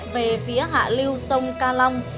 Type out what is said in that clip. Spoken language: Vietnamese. về phía hạ lưu sông ca long